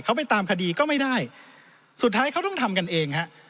เขาไปตามคดีก็ไม่ได้สุดท้ายเขาต้องทำกันเองฮะ